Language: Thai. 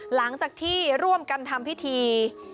หลังจากที่ร่วมกันทำพิธี